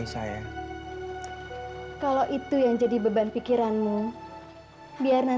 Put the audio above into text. sampai jumpa di video selanjutnya